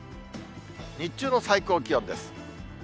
日中の最高気温です。